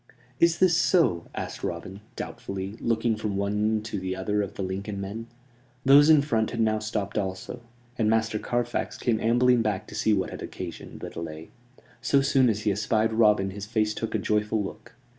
"Is this so?" asked Robin, doubtfully, looking from one to the other of the Lincoln men. Those in front had now stopped also; and Master Carfax came ambling back to see what had occasioned the delay. So soon as he espied Robin his face took a joyful look.